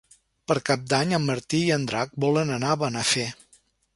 Per Cap d'Any en Martí i en Drac volen anar a Benafer.